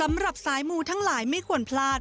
สำหรับสายมูทั้งหลายไม่ควรพลาด